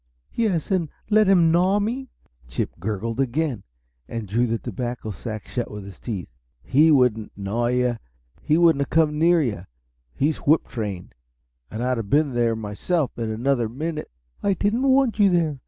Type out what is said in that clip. "Yes and let him gnaw me!" Chip gurgled again, and drew the tobacco sack shut with his teeth. "He wouldn't 'gnaw' you he wouldn't have come near you. He's whip trained. And I'd have been there myself in another minute." "I didn't want you there!